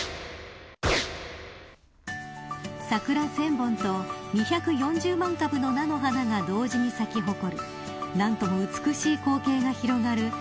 桜１０００本と２４０万株の菜の花が同時に咲き誇る何とも美しい光景が広がる